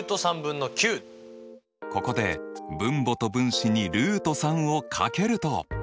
ここで分母と分子にルート３を掛けると。